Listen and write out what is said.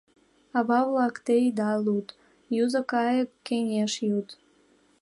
Ава-влак, те ида лӱд, Юзо кайык — кеҥеж йӱд.